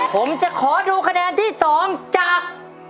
ผมจะขอดูคะแนนที่๒จาก